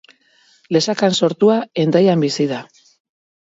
Lesakan sortua, Hendaian bizi da.